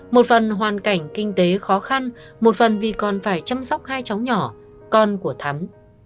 một phần hoàn cảnh kinh tế khó khăn một phần vì còn phải chăm sóc hai cháu nhỏ con của thắm